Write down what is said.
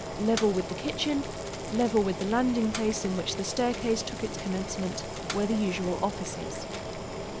Level with the kitchen level with the landing place in which the staircase took its commencement were the usual offices.